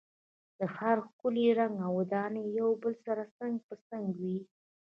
د ښار ښکلی رنګه ودانۍ یو بل سره څنګ په څنګ وې.